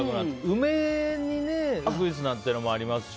梅にウグイスなんていうのもありますし。